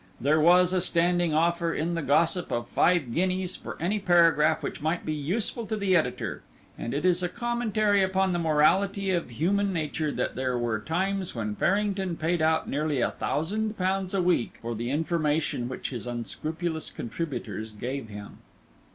There was a standing offer in the Gossip of five guineas for any paragraph which might be useful to the editor, and it is a commentary upon the morality of human nature that there were times when Farrington paid out nearly a thousand pounds a week for the information which his unscrupulous contributors gave him.